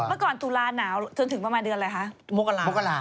เมื่อก่อนตุลาหนาวจนถึงประมาณเดือนอะไรคะ